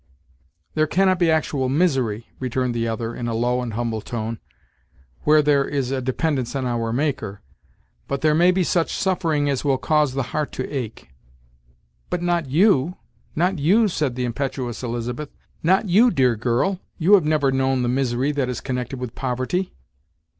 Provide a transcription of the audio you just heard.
"There cannot be actual misery," returned the other, in a low and humble tone, "where there is a dependence on our Maker; but there may be such suffering as will cause the heart to ache." "But not you not you," said the impetuous Elizabeth "not you, dear girl, you have never known the misery that is connected with poverty."